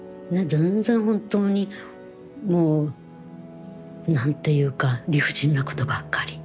全然本当にもう何ていうか理不尽なことばっかり。